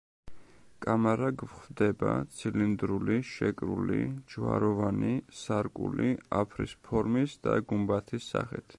კამარა გვხვდება ცილინდრული, შეკრული, ჯვაროვანი, სარკული, აფრის ფორმის და გუმბათის სახით.